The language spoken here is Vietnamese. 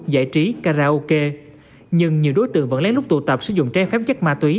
giải trí karaoke nhưng nhiều đối tượng vẫn lấy lúc tụ tập sử dụng trái phép chất ma túy